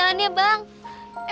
saya buka upac